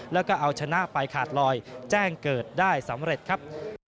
แล้วก็เอาชนะไปขาดลอยแจ้งเกิดได้สำเร็จครับ